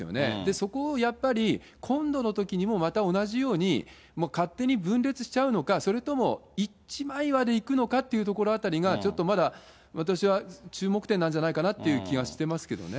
そこをやっぱり今度のときにもまた同じように、勝手に分裂しちゃうのか、それとも一枚岩でいくのかというところあたりがちょっとまだ、私は注目点なんじゃないかなって気はしてますけどね。